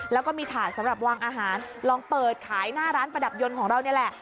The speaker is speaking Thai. แล้วก็มีถาดสำหรับวางอาหารลองเปิดขายหน้าร้านประดับยนต์ของเรานี่แหละ